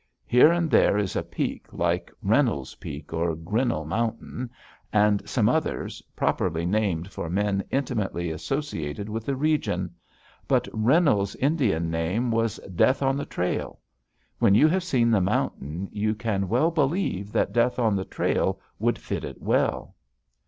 Here and there is a peak, like Reynolds Peak or Grinnell Mountain, and some others, properly named for men intimately associated with the region. But Reynolds's Indian name was Death on the Trail. When you have seen the mountain you can well believe that Death on the Trail would fit it well.